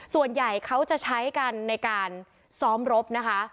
ส่วนใหญ่เขาจะใช้กันในการซ้อมรบนะคะ